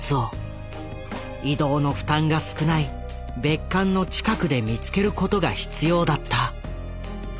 移動の負担が少ない別館の近くで見つけることが必要だった。